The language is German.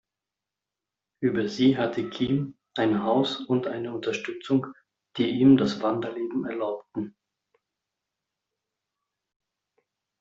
Über sie hatte Kiem ein Haus und eine Unterstützung, die ihm das Wanderleben erlaubten.